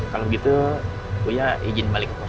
kalau gitu saya izin balik ke kos